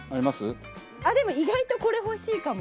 でも意外とこれ欲しいかも。